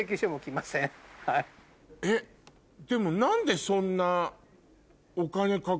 えっでも何でそんな。